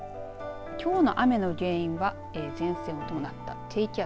きょうの雨の原因は前線を伴った低気圧。